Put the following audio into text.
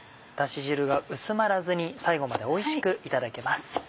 ダシ汁が薄まらずに最後までおいしくいただけます。